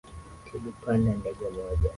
Tilipanda ndege moja